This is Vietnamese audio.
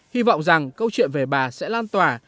hy vọng rằng câu chuyện về bà sẽ lan tỏa